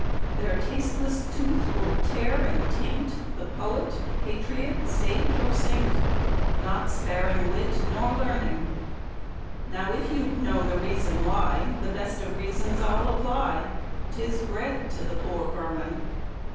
Their tasteless tooth will tear and taint The Poet, Patriot, Sage or Saint, Not sparing wit nor learning. Now, if you'd know the reason why, The best of reasons I'll supply; 'Tis bread to the poor vermin.